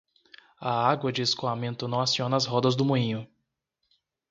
A água de escoamento não aciona as rodas do moinho.